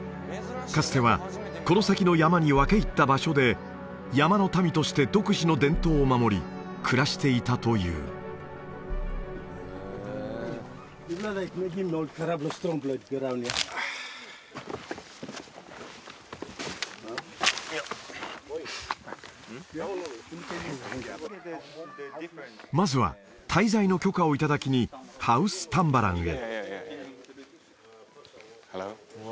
かつてはこの先の山に分け入った場所で山の民として独自の伝統を守り暮らしていたというまずは滞在の許可をいただきにハウスタンバランへ